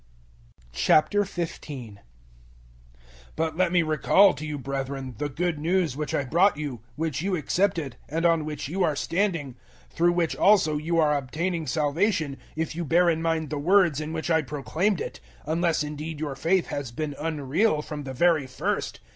015:001 But let me recall to you, brethren, the Good News which I brought you, which you accepted, and on which you are standing, 015:002 through which also you are obtaining salvation, if you bear in mind the words in which I proclaimed it unless indeed your faith has been unreal from the very first.